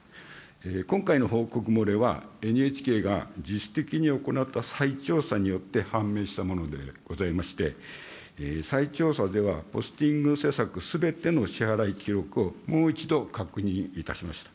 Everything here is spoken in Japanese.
今回の報告漏れは、ＮＨＫが自主的に行った再調査によって判明したものでございまして、再調査ではポスティング施策すべての支払い記録をもう一度確認いたしました。